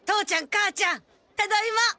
母ちゃんただいま！